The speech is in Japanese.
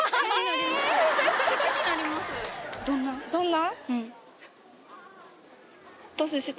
「どんな」？